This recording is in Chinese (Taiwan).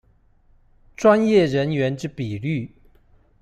專業人員之比率